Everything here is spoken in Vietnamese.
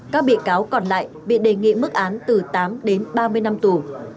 các bị cáo còn lại bị đề nghị mức án từ tám đến ba mươi năm tù